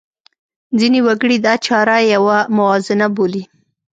ځینې وګړي دا چاره یوه موازنه بولي.